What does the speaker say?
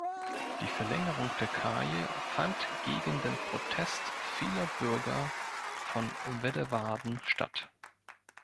Die Verlängerung der Kaje fand gegen den Protest vieler Bürger von Weddewarden statt.